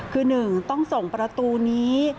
คือหนึ่งต้องส่งประตูนี้